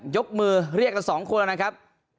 ยกมือเรียกสองคนแล้วนะครับ